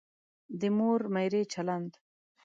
د مور میرې چلند.